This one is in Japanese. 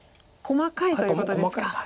細かいということですか。